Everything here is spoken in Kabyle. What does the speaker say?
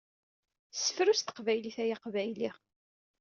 Sefru s teqbaylit ay aqbayli!